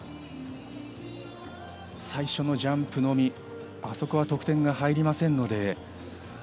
最初のジャンプのみあそこは得点が入りませんので。